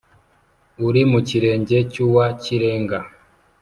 Uri mu kirenge cy’uwa kirenga